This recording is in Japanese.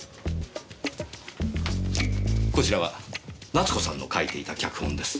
こちらは奈津子さんの書いていた脚本です。